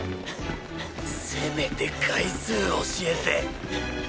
せめて回数教えて？